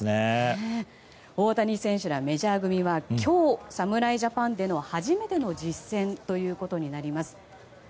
大谷選手らメジャー組は今日、侍ジャパンでの初めての実戦ということになります。